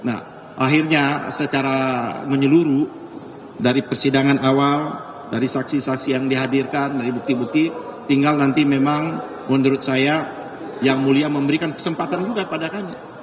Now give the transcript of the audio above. nah akhirnya secara menyeluruh dari persidangan awal dari saksi saksi yang dihadirkan dari bukti bukti tinggal nanti memang menurut saya yang mulia memberikan kesempatan juga pada kami